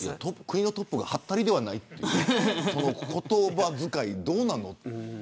国のトップがはったりではないという言葉遣いどうなのという。